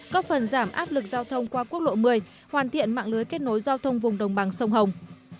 có phần giảm áp lực giao thông qua quốc lộ một mươi hoàn thiện mạng lưới kết nối giao thông vùng đồng bằng sông hồng